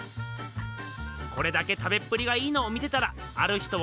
これだけ食べっぷりがいいのを見てたらある人を思い出したっす。